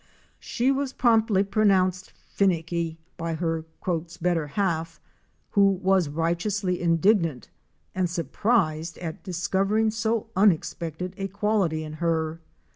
She was promptly pronounced " fin nicky " by her " better half' who was righteously indignant and surprised at discovering so unexpected a quality in her.